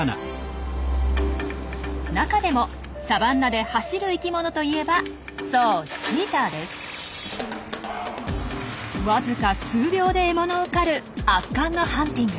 中でもサバンナで走る生きものといえばそうわずか数秒で獲物を狩る圧巻のハンティング。